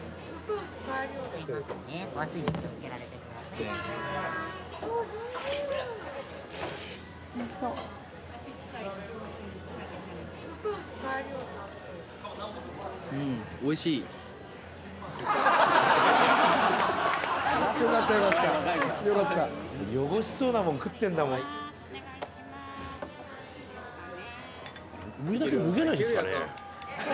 あれ上だけ脱げないんですかね。